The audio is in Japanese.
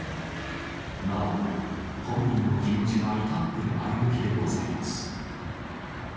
なお、本人の気持ちは至って前向きでございます。